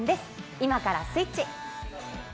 今からスイッチ。